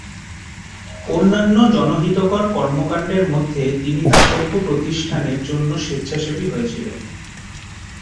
অন্যান্য জনহিতকর কর্মকাণ্ডের মধ্যে তিনি দাতব্য প্রতিষ্ঠানের জন্য স্বেচ্ছাসেবী হয়েছিলেন।